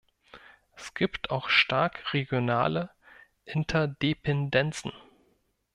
Es gibt auch starke regionale Interdependenzen.